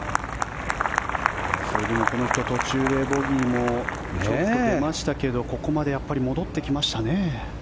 この人、途中でボギーもちょっと出ましたけどここまで戻ってきましたね。